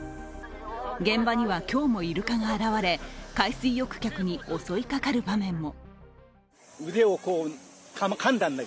現場には、今日もイルカが現れ海水浴客に襲いかかる場面も。